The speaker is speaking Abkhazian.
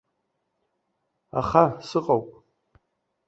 Аха сыҟоуп!